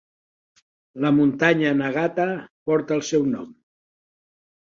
La muntanya Nagata porta el seu nom.